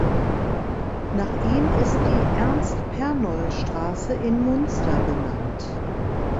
Nach ihm ist die "Ernst-Pernoll-Straße" in Munster benannt.